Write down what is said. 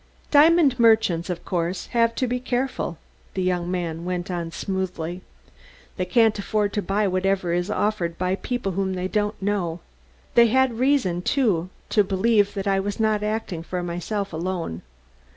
"Diamond merchants, of course, have to be careful," the young man went on smoothly. "They can't afford to buy whatever is offered by people whom they don't know. They had reason, too, to believe that I was not acting for myself alone.